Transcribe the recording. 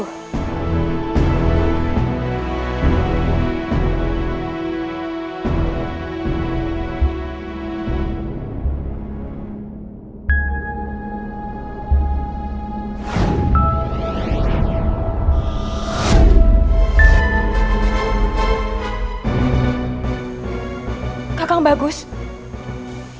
tidak mu seperti saya